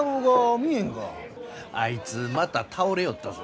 あいつまた倒れよったぞ。